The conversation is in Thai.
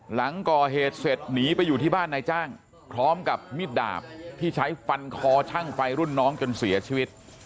หลังก่อเหตุเสร็จหนีไปอยู่ที่บ้านนายจ้างพร้อมกับมิดดาบที่ใช้ฟันคอช่างไฟรุ่นน้องจนเสียชีวิต